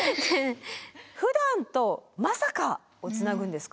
ふだんとまさかをつなぐんですか。